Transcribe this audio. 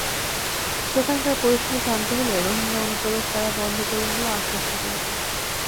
সেখানকার পরিস্থিতি শান্ত হলে রোহিঙ্গা অনুপ্রবেশ তাঁরা বন্ধ করবেন বলে আশ্বস্ত করেছেন।